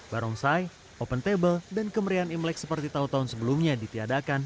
barongsai open table dan kemerian imlek seperti tahun tahun sebelumnya ditiadakan